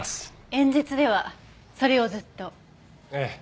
演説ではそれをずっと？ええ。